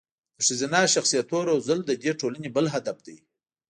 د ښځینه شخصیتونو روزل د دې ټولنې بل هدف دی.